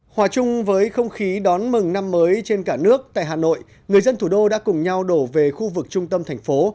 hòa chung với không khí đón mừng năm mới trên cả nước tại hà nội người dân thủ đô đã cùng nhau đổ về khu vực trung tâm thành phố